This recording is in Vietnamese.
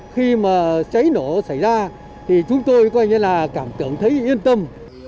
khi mà cháy nổ xảy ra thì chúng tôi coi như là cảm tưởng thấy yên tâm